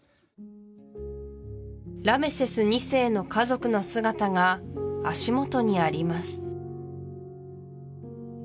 ラメセス２世の家族の姿が足元にあります